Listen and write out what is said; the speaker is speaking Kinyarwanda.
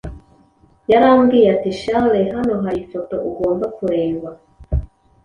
yarambwiye ati Charles hano hari i foto ugomba kureba.